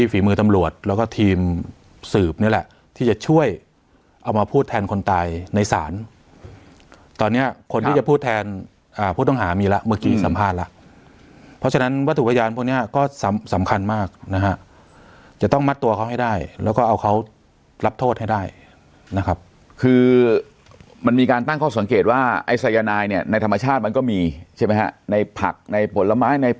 ฝีมือตำรวจแล้วก็ทีมสืบนี่แหละที่จะช่วยเอามาพูดแทนคนตายในศาลตอนเนี้ยคนที่จะพูดแทนผู้ต้องหามีแล้วเมื่อกี้สัมภาษณ์แล้วเพราะฉะนั้นวัตถุพยานพวกเนี้ยก็สำคัญมากนะฮะจะต้องมัดตัวเขาให้ได้แล้วก็เอาเขารับโทษให้ได้นะครับคือมันมีการตั้งข้อสังเกตว่าไอ้สายนายเนี่ยในธรรมชาติมันก็มีใช่ไหมฮะในผักในผลไม้ใน